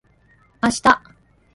あした